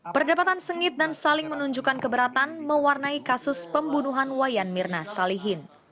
perdebatan sengit dan saling menunjukkan keberatan mewarnai kasus pembunuhan wayan mirna salihin